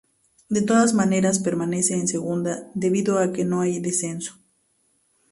De todas maneras permanece en Segunda debido a que no hay descenso.